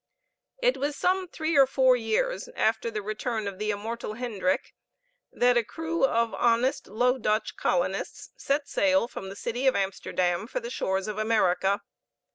It was some three or four years after the return of the immortal Hendrick that a crew of honest Low Dutch colonists set sail from the city of Amsterdam for the shores of America.